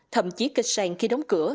thậm chí kịch sàng khi đóng cửa